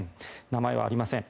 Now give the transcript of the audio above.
名前はありません。